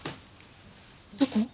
どこ？